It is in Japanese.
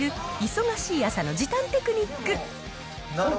忙しい朝の時短テクニック。